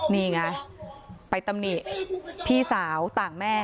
นี่ไงไปตำหนิพี่สาวต่างแม่